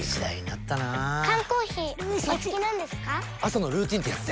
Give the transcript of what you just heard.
朝のルーティンってやつで。